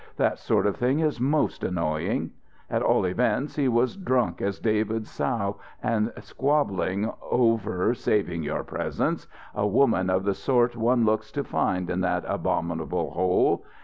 That sort of thing is most annoying. At all events, he was drunk as David's sow, and squabbling over, saving your presence, a woman of the sort one looks to find in that abominable hole.